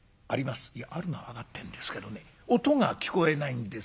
「あるのは分かってんですけどね音が聞こえないんです」。